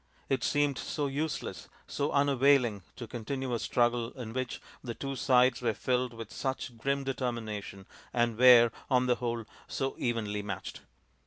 It seemed so useless, so unavailing to continue a struggle in which the two sides were filled with such grim determination and were, on the whole, so evenly matched.